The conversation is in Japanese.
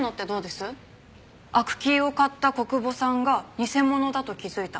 アクキーを買った小久保さんが偽物だと気づいた。